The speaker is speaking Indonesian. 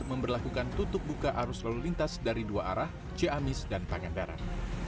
memperlakukan tutup buka arus lalu lintas dari dua arah ciamis dan pangandaran